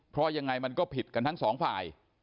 เพราะยังไงมันก็ผิดกันทั้งสองฝ่าย